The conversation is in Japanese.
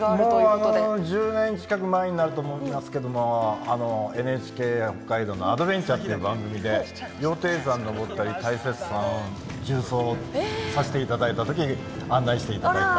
１０年近く前になると思いますけどもＮＨＫ北海道の「Ａ道ベンチャー！」っていう番組で羊蹄山登ったり大雪山を縦走さしていただいた時案内していただいた。